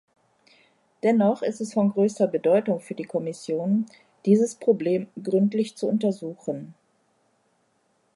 Dennoch ist es von größter Bedeutung für die Kommission, dieses Problem gründlich zu untersuchen.